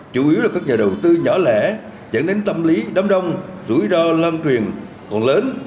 chủ yếu là các nhà đầu tư nhỏ lẻ dẫn đến tâm lý đám đông rủi ro lan truyền còn lớn